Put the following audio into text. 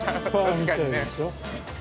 ◆確かにね。